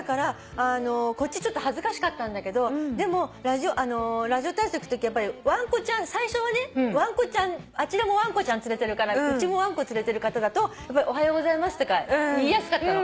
こっちちょっと恥ずかしかったんだけどでもラジオ体操行くとき最初はねあちらもわんこちゃん連れてるからうちもわんこ連れてると「おはようございます」とか言いやすかったの。